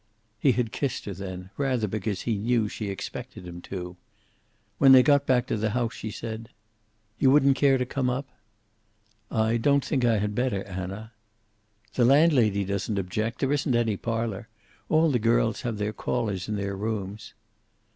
He had kissed her then, rather because he knew she expected him to. When they got back to the house she said: "You wouldn't care to come up?" "I don't think I had better, Anna." "The landlady doesn't object. There isn't any parlor. All the girls have their callers in their rooms."